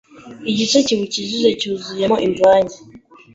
igice kiwukikije cyuzuyemo imvange